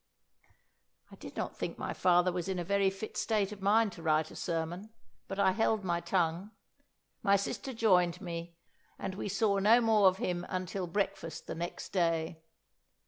I did not think my father was in a very fit state of mind to write a sermon, but I held my tongue. My sister joined me, and we saw no more of him till breakfast the next day.